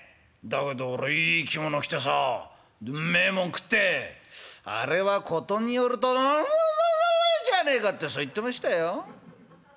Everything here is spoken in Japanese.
だけどいい着物着てさうめえもん食ってあれは事によるとウオウオウオじゃねえか』ってそう言ってましたよ」。